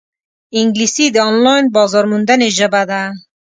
انګلیسي د آنلاین بازارموندنې ژبه ده